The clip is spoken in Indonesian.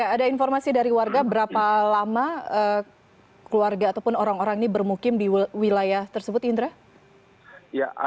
ada informasi dari warga berapa lama keluarga ataupun orang orang ini bermukim di wilayah tersebut indra